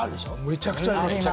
めちゃくちゃありましょう。